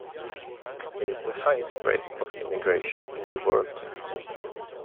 It is the highest rate of immigration in the world.